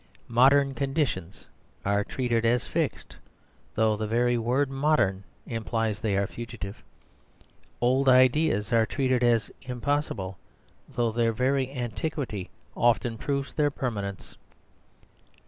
"Modern conditions" are treated as fixed, though the very word "modern" implies that they are fugitive. "Old ideas" are treated as impossible, though their very antiquity often proves their permanence.